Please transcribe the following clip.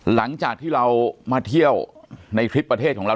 หลังจากที่เรามาเที่ยวในทริปประเทศของเรา